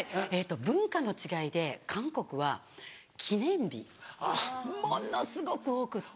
文化の違いで韓国は記念日ものすごく多くって。